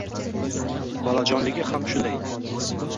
Bolajonligi ham shunday